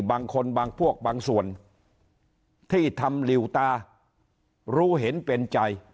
บางคนบางพวกบางส่วนที่ทำหลิวตารู้เห็นเป็นใจ